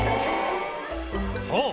そう